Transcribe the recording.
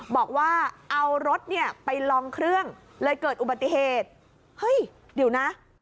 บอกว่าเอารถเนี่ยไปลองเครื่องเลยเกิดอุบัติเหตุเฮ้ยเดี๋ยวนะ